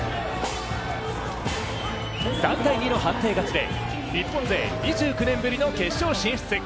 ３−２の判定勝ちで日本勢２９年ぶりの決勝進出。